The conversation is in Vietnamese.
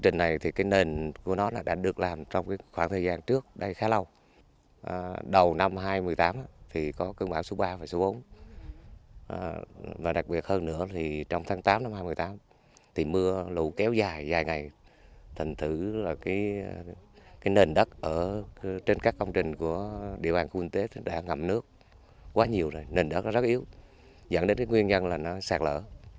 tình trạng sụt trượt nền đất trên các công trình của địa bàn quốc tế đã ngậm nước quá nhiều rồi nền đất rất yếu dẫn đến nguyên nhân là nó sạt lở